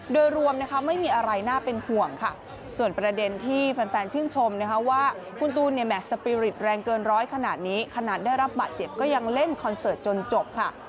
โดยรวมนะคะไม่มีอะไรน่าเป็นห่วงค่ะส่วนประเด็นที่แฟนชื่นชมนะคะว่าคุณตูนเนี่ยแห่สปีริตแรงเกินร้อยขนาดนี้ขนาดได้รับบาดเจ็บก็ยังเล่นคอนเสิร์ตจนจบค่ะ